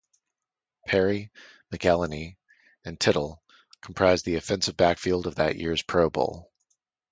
Perry, McElhenny, and Tittle comprised the offensive backfield of that year's Pro Bowl.